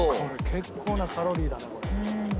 結構なカロリーだなこれ。